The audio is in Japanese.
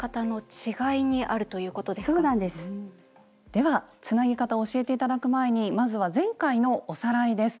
ではつなぎ方を教えて頂く前にまずは前回のおさらいです。